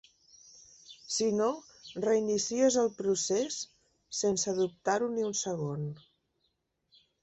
Si no, reinicies el procés sense dubtar-ho ni un segon.